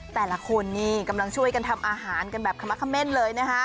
แต่ล่ะคนนี่กำลังช่วยกันทำอาหารกันแบบคมะคะแม่น